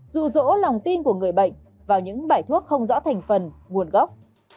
dù dỗ lòng tin của người bệnh vào những bài thuốc không rõ thành phần nguồn gốc